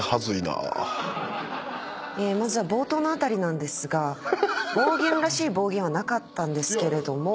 まずは冒頭の辺りなんですが暴言らしい暴言はなかったんですけれども。